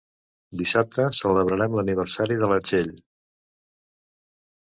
Dissabte celebrarem l'aniversari de la Txell.